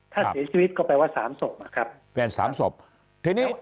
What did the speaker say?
ถ้าเสียชีวิตก็แปลว่าสามศพนะครับ